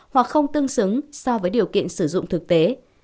hoặc không tương xứng so với điều kiện sử dụng thực tế